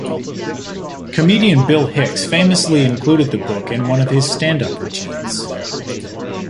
Comedian Bill Hicks famously included the book in one of his stand-up routines.